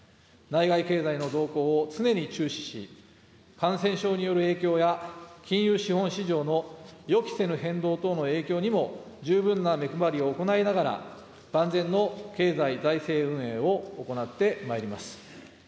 内外経済の動向を常に注視し、感染症による影響や金融資本市場の予期せぬ変動等の影響にも十分な目配りを行いながら、万全の経済財政運営を行ってまいります。